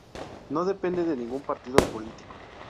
No depende de ningún partido político.